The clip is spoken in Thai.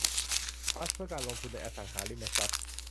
ทรัสต์เพื่อการลงทุนในอสังหาริมทรัพย์